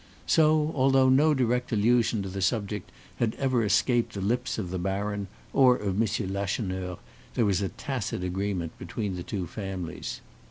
So, although no direct allusion to the subject had ever escaped the lips of the baron or of M. Lacheneur, there was a tacit agreement between the two families.